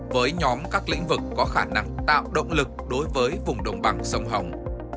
với nhóm các lĩnh vực có khả năng tạo động lực đối với vùng đồng bằng sông hồng